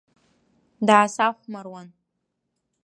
Даасахәмаруан.